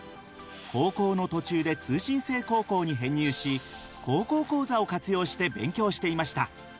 高校の途中で通信制高校に編入し高校講座を活用して勉強していました。